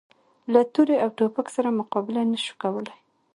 له تورې او توپک سره مقابله نه شو کولای.